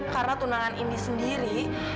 karena tunangan indi sendiri